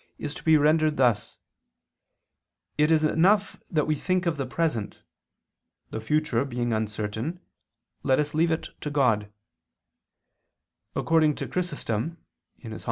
is to be rendered thus: "It is enough that we think of the present; the future being uncertain, let us leave it to God": according to Chrysostom [*Hom.